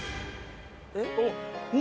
おっ！